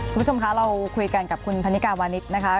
คุณผู้ชมคะเราคุยกันกับคุณพันนิกาวานิสนะคะ